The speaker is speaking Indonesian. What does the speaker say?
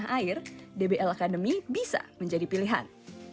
kalau mereka ingin bekerja di basket tanah air dbl academy bisa menjadi pilihan